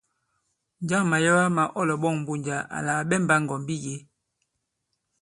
Njâŋ màyɛwa mā ɔ lɔ̀ɓɔ̂ŋ Mbunja àla à ɓɛmbā ŋgɔ̀mbi yě ?